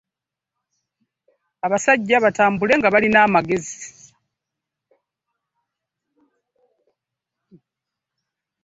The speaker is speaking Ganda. Abasajja batambule ng'abalina amagezi.